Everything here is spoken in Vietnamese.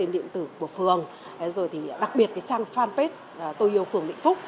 điện tử của phường rồi thì đặc biệt trang fanpage tô yêu phường nịnh phúc